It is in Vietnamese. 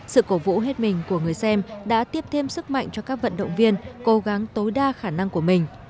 sự cổ vũ hết mình của người xem đã tiếp thêm sức mạnh cho các vận động viên cố gắng tối đa khả năng của mình